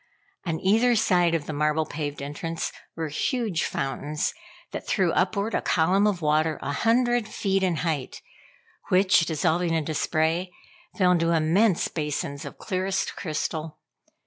On either side of the marble paved entrance were huge fountains that threw upward a column of water a hundred feet in height, which, dissolving into spray, fell into immense basins of clearest crystal.